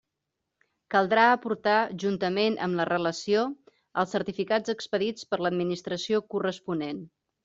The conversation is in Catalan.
Caldrà aportar juntament amb la relació, els certificats expedits per l'Administració corresponent.